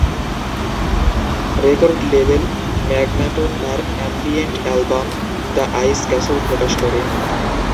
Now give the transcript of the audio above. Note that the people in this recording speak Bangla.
রেকর্ড লেবেল ম্যাগনাটোন তার ambient album, "the ice castle" প্রকাশ করে।